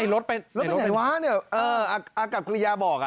รถไปไหนวะเนี่ยอากับกริยาบอก